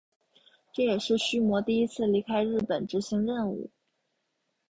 这也是须磨第一次离开日本执行任务。